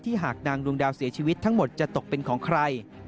หากนางดวงดาวเสียชีวิตทั้งหมดจะตกเป็นของใคร